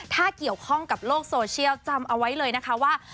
ถ้าเกี่ยวข้องกับโลกโซเชียลจำเอาไว้เลยนะคะว่า